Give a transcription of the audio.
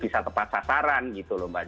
bisa tepat sasaran gitu loh mbak